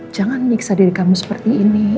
jangan niksa diri kamu seperti ini